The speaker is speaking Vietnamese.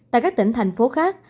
tại các tỉnh thành phố khác